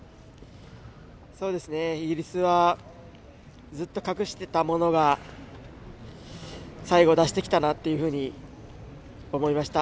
イギリスはずっと隠してたものが最後出してきたなというふうに思いました。